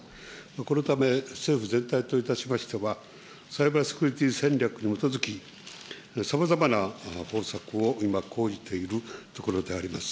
このため、政府全体といたしましては、サイバーセキュリティー戦略に基づき、さまざまな方策を今、講じているところであります。